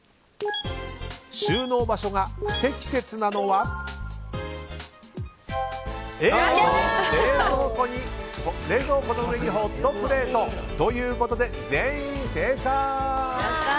収納場所が不適切なのはＡ、冷蔵庫の上にホットプレートということで全員正解！